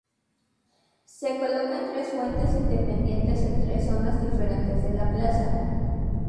Se colocan tres fuentes independientes en tres zonas diferentes de la plaza.